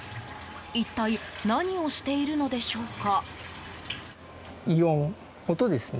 一体何をしているのでしょうか？